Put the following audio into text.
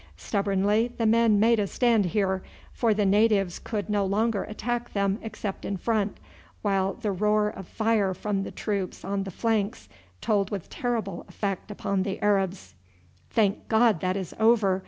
Stubbornly the men made a stand here, for the natives could no longer attack them except in front, while the roar of fire from the troops on the flanks told with terrible effect upon the Arabs. "Thank God that is over!"